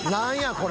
これ。